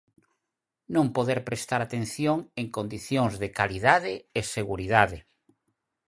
Non poder prestar a atención en condicións de calidade e seguridade.